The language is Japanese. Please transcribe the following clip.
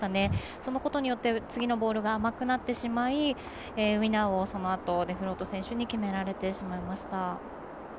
そのことによって、次のボールが甘くなってしまいウィナーをそのあとデフロート選手に決められてしまいました。